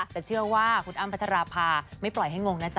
แต่เชื่อว่าคุณอ้ำพัชราภาไม่ปล่อยให้งงนะจ๊